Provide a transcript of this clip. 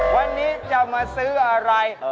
วันนี้จะมาซื้ออะไร